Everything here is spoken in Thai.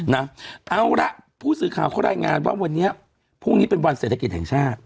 เอาละผู้สื่อข่าวเขารายงานว่าวันนี้พรุ่งนี้เป็นวันเศรษฐกิจแห่งชาติ